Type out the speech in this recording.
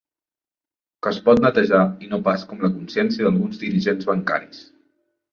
Que es pot netejar, i no pas com la consciència d'alguns dirigents bancaris.